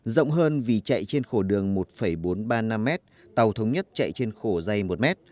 rộng hơn vì chạy trên khổ đường một bốn trăm ba mươi năm m tàu thống nhất chạy trên khổ dày một mét